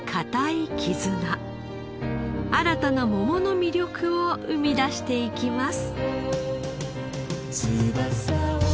新たな桃の魅力を生み出していきます。